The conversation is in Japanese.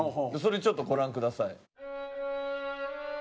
それちょっとご覧ください。